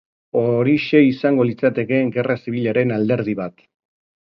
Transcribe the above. Horixe izango litzateke gerra zibilaren alderdi bat.